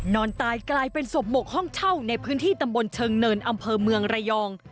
นอนตายกลายเป็นศพบกห้องเช่าในพื้นที่ตำบลเชิงเนินอำเภอเมืองระยอง